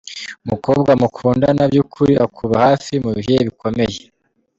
Umukobwa mukundana by’ukuri akuba hafi mu bihe bikomeye.